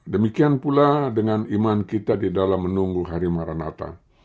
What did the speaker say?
demikian pula dengan iman kita di dalam menunggu harimaranata